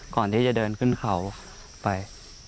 ก่อนที่จะเดินขึ้นเขาไป